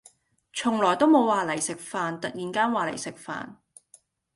從來都冇話嚟食飯，突然間話嚟食飯